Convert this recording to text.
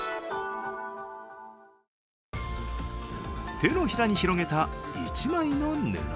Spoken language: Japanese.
手のひらに広げた１枚の布。